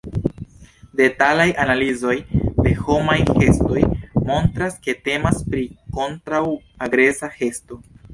Detalaj analizoj de homaj gestoj montras ke temas pri "kontraŭ-agresa gesto".